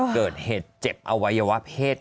เกิดเหตุเจ็บอวัยวะเพศ